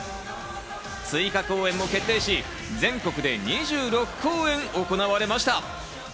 追加公演も決定し、全国で２６公演行われました。